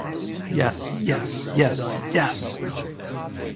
Yes, yes, yes, yes...!